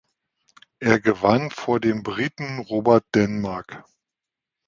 Er gewann vor dem Briten Robert Denmark.